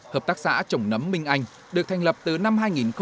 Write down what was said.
hợp tác xã trồng nấm minh anh được thành lập từ năm hai nghìn một mươi